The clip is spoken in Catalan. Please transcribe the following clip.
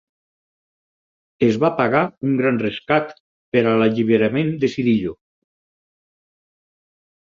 Es va pagar un gran rescat per a l'alliberament de Cirillo.